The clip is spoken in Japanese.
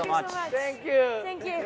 サンキュー。